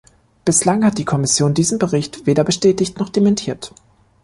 Bislang hat die Kommission diesen Bericht weder bestätigt noch dementiert.